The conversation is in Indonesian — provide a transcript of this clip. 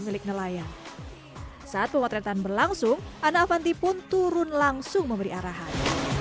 milik nelayan saat pemotretan berlangsung ana avanti pun turun langsung memberi arahan